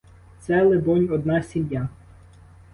Це, либонь, одна сім'я.